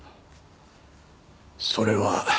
それは。